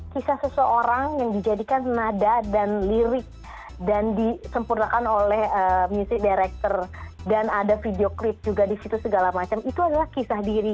kisah seseorang yang dijadikan nada dan lirik dan disempurnakan oleh music director dan ada videoclip juga disitu segala macam itu adalah kisah diri